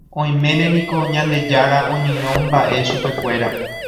Oiméne niko Ñandejára oñyrõmba'e chupekuéra.